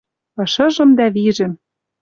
Ышыжым дӓ вижӹм —